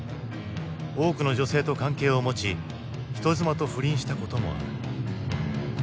多くの女性と関係を持ち人妻と不倫したこともある。